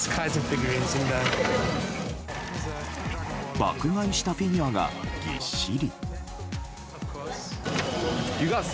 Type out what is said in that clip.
爆買いしたフィギュアがぎっしり。